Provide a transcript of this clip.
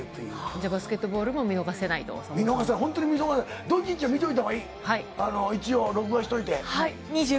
じゃあバスケットボールも見見逃せない、本当に見逃せない、見といたほうがいい、一応、録画しておいて。